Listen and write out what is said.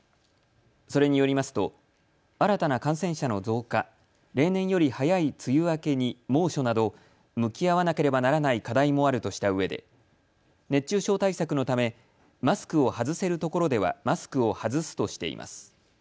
それによりますと新たな感染者の増加、例年より早い梅雨明けに猛暑など向き合わなければならない課題もあるとしたうえで熱中症対策のためマスクを外せるところではマスクを外すとしています。